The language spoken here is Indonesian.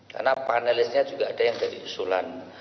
karena panelisnya juga ada yang dari usulan